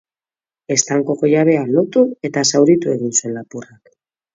Estankoko jabea lotu eta zauritu egin zuen lapurrak.